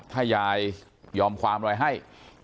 ถ้ายายยอมความอะไรให้